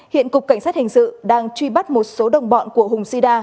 hiện cục cảnh sát hình sự đang truy bắt một số đồng bọn của hùng sida